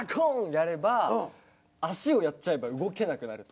やれば足をやっちゃえば動けなくなると。